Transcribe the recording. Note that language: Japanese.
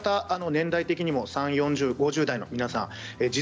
年代的にも３０代、４０代、５０代の皆さん